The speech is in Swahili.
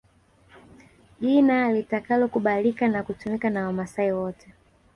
Jina litakalokubalika na kutumika na Wamaasai wote